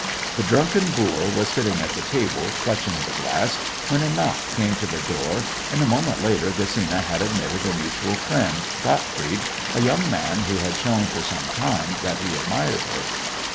The drunken boor was sitting at the table clutching the glass when a knock came to the door, and a moment later Gesina had admitted a mutual friend, Gottfried, a young man who had shown for some time that he admired her.